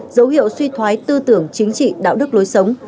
dấu hiệu suy thoái tư tưởng chính trị đạo đức lối sống